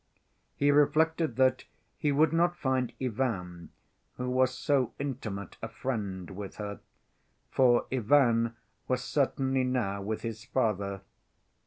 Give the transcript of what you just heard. He reflected that he would not find Ivan, who was so intimate a friend, with her, for Ivan was certainly now with his father.